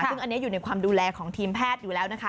ซึ่งอันนี้อยู่ในความดูแลของทีมแพทย์อยู่แล้วนะคะ